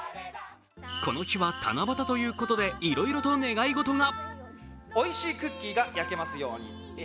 この日は七夕ということでいろいろと願い事が。